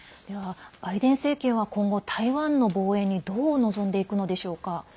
バイデン政権は今後台湾の防衛にどう臨んでいくのでしょうか。